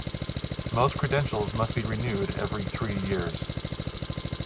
Most credentials must be renewed every three years.